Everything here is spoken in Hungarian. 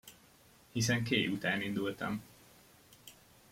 Hiszen Kay után indultam.